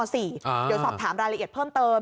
เดี๋ยวสอบถามรายละเอียดเพิ่มเติม